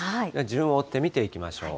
順を追って見ていきましょう。